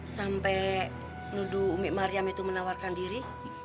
sampai nuduh ume maryam itu menawarkan diri